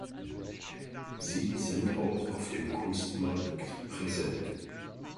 Sie sind auch auf dem Kunstmarkt präsent.